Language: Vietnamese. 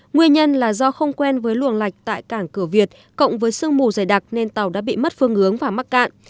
nguyên nhân là do không quen với luồng lạch tại cảng cửa việt cộng với sương mù dày đặc nên tàu đã bị mất phương hướng và mắc cạn